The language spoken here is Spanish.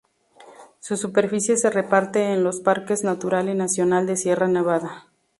Su superficie se reparte entre los Parques Natural y Nacional de Sierra Nevada.